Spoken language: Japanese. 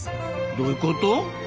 どういうこと？